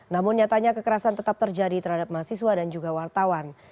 namun nyatanya kekerasan tetap terjadi terhadap mahasiswa dan juga wartawan